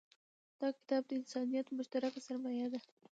دا کتاب د انسانیت مشترکه سرمایه ده.